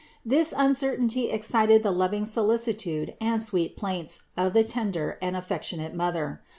This uncertainty excited the loving solicitude and sweet plaints of the tender and affectionate Mother.